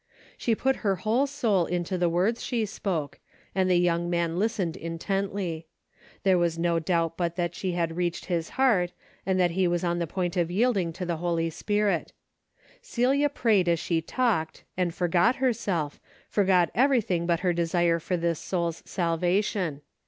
She put her whole soul into the words she spoke, and the young man listened intently. There was no doubt but that she had reached his heart and that he was on the point of yielding to the Holy Spirit. Celia prayed as she talked and forgot herself, forgot everything but her desire for this soul's salvation.